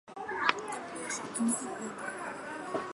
在平面上的正方形格被填上黑色或白色。